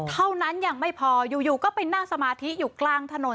เท่านั้นยังไม่พออยู่ก็ไปนั่งสมาธิอยู่กลางถนน